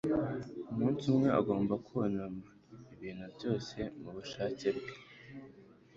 Umunsi umwe ugomba kunama ibintu byose mubushake bwe